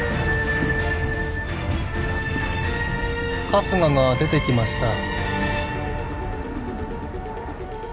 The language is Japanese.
春日が出てきました